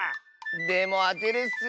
でもあてるッス。